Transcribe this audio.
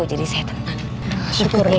jadi saya tenang